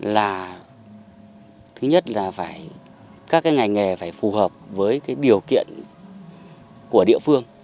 là thứ nhất là các ngành nghề phải phù hợp với điều kiện của địa phương